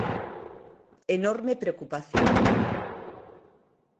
"Enorme preocupación".